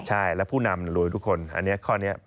ใช่แล้วผู้นำรวยทุกคนอันนี้ข้อนี้